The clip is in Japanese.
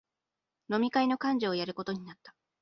飲み会の幹事をやることになった